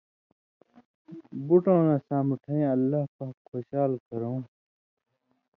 بُٹؤں نہ سامٹَھیں اللہ پاک خوشال کرؤں،